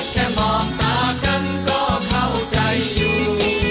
แค่มองตากันก็เข้าใจอยู่